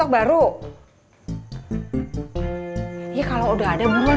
aku kawin emang